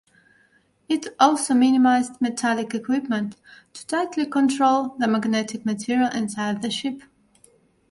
It also minimized metallic equipment to tightly control the magnetic material inside the ship.